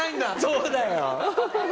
そうだよ。